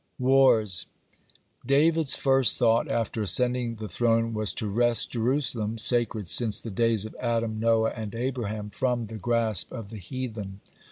(50) WARS David's first thought after ascending the throne was to wrest Jerusalem, sacred since the days of Adam, Noah, and Abraham, from the grasp of the heathen.